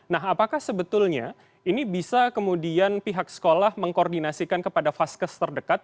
nah apakah sebetulnya ini bisa kemudian pihak sekolah mengkoordinasikan kepada vaskes terdekat